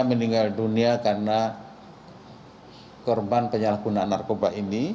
meninggal dunia karena korban penyalahgunaan narkoba ini